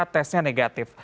ternyata tesnya negatif